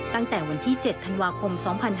ตั้งแต่วันที่๗ธันวาคม๒๕๕๙